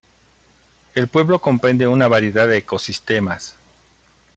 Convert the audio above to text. El pueblo comprende una variedad de ecosistemas.